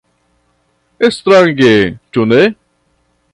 Strange, ĉu ne?